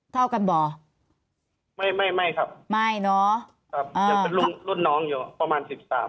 เท่ากันบ่อไม่ครับไม่เนาะครับอ่ายังเป็นรุ่นน้องอยู่ประมาณ๑๓